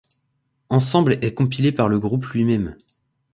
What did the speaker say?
L'ensemble est compilé par le groupe lui-même.